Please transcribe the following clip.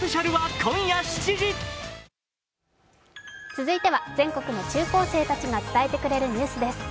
続いては全国の中高校生が伝えてくれるニュースです。